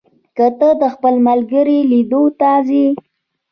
که ته د خپل ملګري لیدو ته ځې،